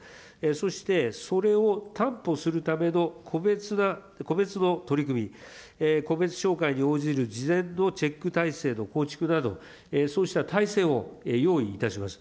そして、それを担保するための個別な、個別の取り組み、個別照会に応じる事前のチェック体制の構築など、そうした体制を用意いたします。